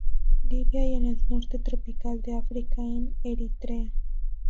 Libia y en el norte tropical de África en Eritrea.